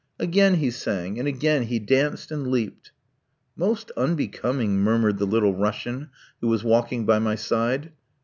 Again he sang, and again he danced and leaped. "Most unbecoming!" murmured the Little Russian, who was walking by my side.